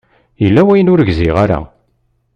Yella wayen ur gziɣ ara.